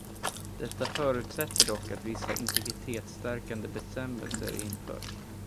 Detta förutsätter dock att vissa integritetsstärkande bestämmelser införs.